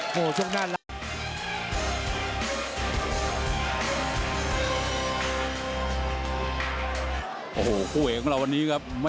โอ้โหช่วงหน้า